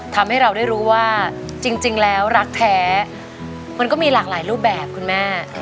ทำให้เราได้รู้ว่าจริงแล้วรักแท้มันก็มีหลากหลายรูปแบบคุณแม่